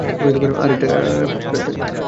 আর এটা প্লেসেন্টা।